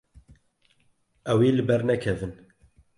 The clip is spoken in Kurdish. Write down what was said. Ew ê li ber nekevin.